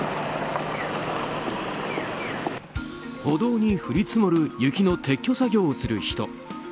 歩道に降り積もる雪の撤去作業をする人。